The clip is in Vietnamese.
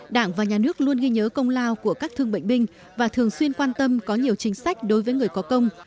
đảng và nhà nước luôn ghi nhớ công lao của các thương bệnh binh và thường xuyên quan tâm có nhiều chính sách đối với người có công